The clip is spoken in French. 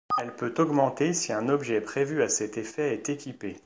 Elle peut augmenter si un objet prévu à cet effet est équipé.